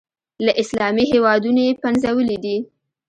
له اسلامي هېوادونو یې پنځولي دي.